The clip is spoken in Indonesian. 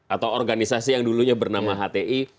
atau organisasi yang dulunya bernama hti